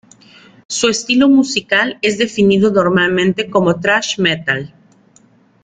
Su estilo musical es definido normalmente como "thrash metal".